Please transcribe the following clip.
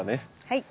はい。